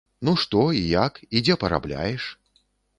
Ну што, і як, і дзе парабляеш?